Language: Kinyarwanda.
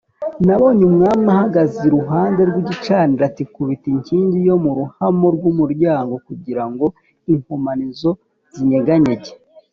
Nabonye Umwami ahagaze iruhande rw’igicaniro ati “Kubita inkingi yo mu ruhamo rw’umuryango kugira ngo inkomanizo zinyeganyege